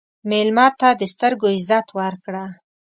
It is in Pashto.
مېلمه ته د سترګو عزت ورکړه.